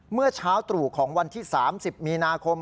เมื่อเช้าตรู่ของวันที่๓๐มีนาคม